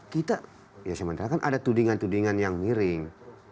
kita ya sementara kan ada tudingan tudingan yang miring